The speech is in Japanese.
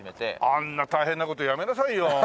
あんな大変な事やめなさいよ。